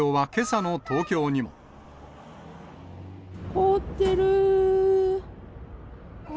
凍ってる。